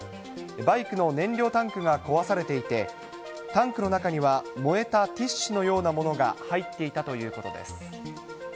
バイクの燃料タンクが壊されていて、タンクの中には燃えたティッシュのようなものが入っていたということです。